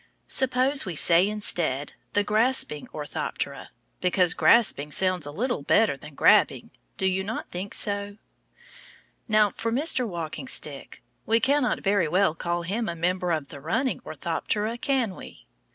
Suppose we say instead the Grasping Orthoptera, because grasping sounds a little better than grabbing. Do you not think so? Now for Mr. Walking Stick. We cannot very well call him a member of the Running Orthoptera, can we?